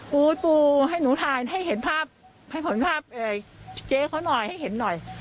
ปูปูให้หนูถ่ายให้เห็นภาพให้ผลภาพเจ๊เขาหน่อยให้เห็นหน่อย